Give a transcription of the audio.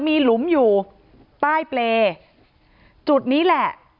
ที่มีข่าวเรื่องน้องหายตัว